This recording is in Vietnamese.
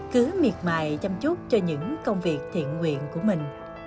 cứu miệt mại chăm chút cho những công việc thiện nguyện của mình